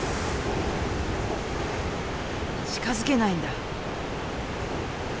近づけないんだ。